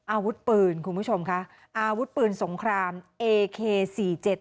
อาวุธปืนคุณผู้ชมค่ะอาวุธปืนสงครามเอเคสี่เจ็ด